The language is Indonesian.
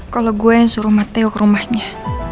kalau gue yang suruh materio ke rumahnya